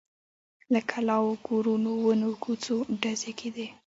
له کلاوو، کورونو، ونو، کوڅو… ډزې کېدې.